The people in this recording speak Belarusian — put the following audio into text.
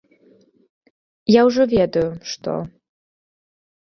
Я ўжо ведаю, што.